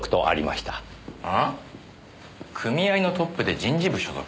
あ？組合のトップで人事部所属。